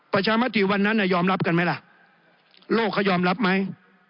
ประชามติวันนั้นยอมรับกันไหมล่ะโลกเขายอมรับไหม